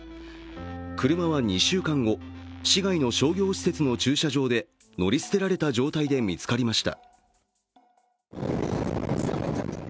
車は２週間後、市外の商業施設の駐車場で乗り捨てられた状態で見つかりました。